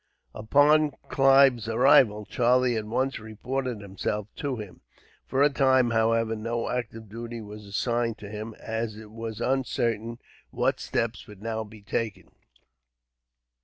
Upon Clive's arrival, Charlie at once reported himself to him. For a time, however, no active duty was assigned to him, as it was uncertain what steps would now be taken.